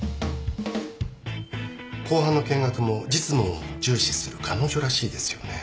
公判の見学も実務を重視する彼女らしいですよね。